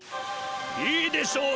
いいでしょう。